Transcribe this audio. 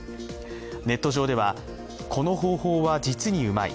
ネット上では、この方法は実にうまい。